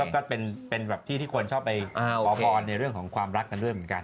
ก็เป็นแบบที่ที่คนชอบไปขอพรในเรื่องของความรักกันด้วยเหมือนกัน